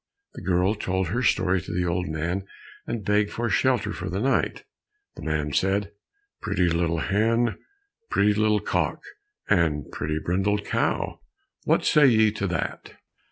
The girl told her story to the old man, and begged for shelter for the night. The man said, "Pretty little hen, Pretty little cock, And pretty brindled cow, What say ye to that?"